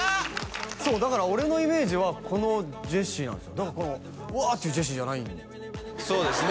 そうだから俺のイメージはこのジェシーなんですよだからこのウワーッていうジェシーじゃないそうですね